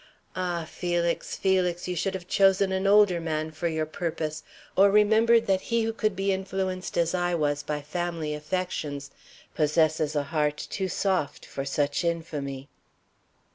Ah, Felix, Felix, you should have chosen an older man for your purpose, or remembered that he who could be influenced as I was by family affections possesses a heart too soft for such infamy.